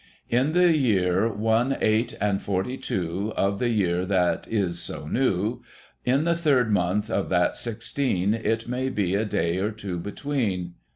In the year One, Eight, and Forty two, Of the year that is so new. In the third month, of that sixteen. It may be a day or two between.